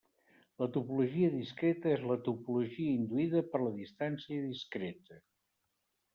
La topologia discreta és la topologia induïda per la distància discreta.